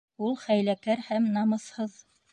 Ул хәйләкәр һәм намыҫһыҙ.